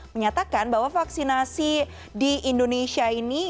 menyatakan bahwa vaksinasi di indonesia ini